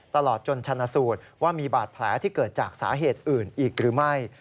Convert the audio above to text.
ตลอดจนชนะสูตรว่ามีบาดแผลที่เกิดจากสาเหตุอื่นอีกหรือไม่